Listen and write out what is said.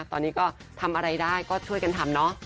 ตอนนี้ก็ทำอะไรได้ก็ช่วยกันทำเนอะ